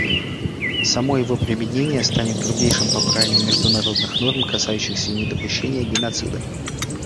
Само его применение станет грубейшим попранием международных норм, касающихся недопущения геноцида.